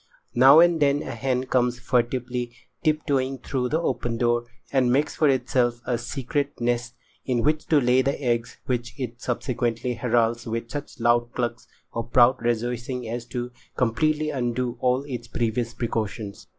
Now and then a hen comes furtively tip toeing through the open door and makes for itself a secret nest in which to lay the eggs which it subsequently heralds with such loud clucks of proud rejoicing as to completely undo all its previous precautions.